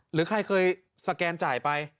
หรือใครเคยสแกนจ่ายไป